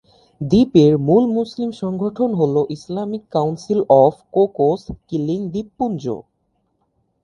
দ্বীপের মূল মুসলিম সংগঠন হলো Islamic Council of Cocos Keeling দ্বীপপুঞ্জ।